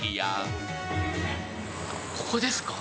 ここですか？